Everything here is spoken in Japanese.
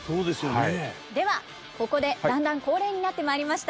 ではここでだんだん恒例になってまいりました